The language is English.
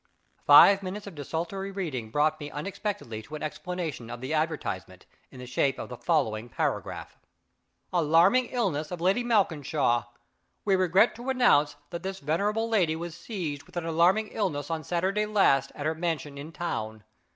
_ Five minutes of desultory reading brought me unexpectedly to an explanation of the advertisement, in the shape of the following paragraph: "ALARMING ILLNESS OF LADY MALKINSHAW. We regret to announce that this venerable lady was seized with an alarming illness on Saturday last, at her mansion in town.